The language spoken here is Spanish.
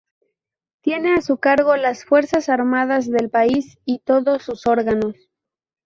Tiene a su cargo las Fuerzas Armadas del país y todos sus órganos.